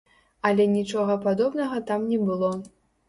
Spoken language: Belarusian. Але нічога падобнага там не было.